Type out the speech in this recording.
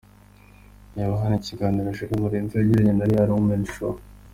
Reba hano ikiganiro Jolie Murenzi yagiranye na Real Women Show .